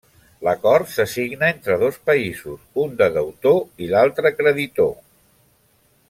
L'acord se signa entre dos països, un de deutor i l'altre creditor.